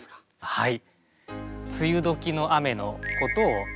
はい。